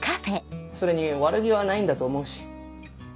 それに悪気はないんだと思うし。